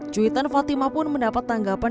cuitan fatima pun mendapat tanggapan